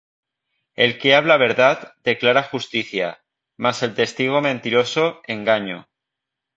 El que habla verdad, declara justicia; Mas el testigo mentiroso, engaño.